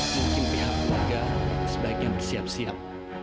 mungkin pihak keluarga sebaiknya bersiap siap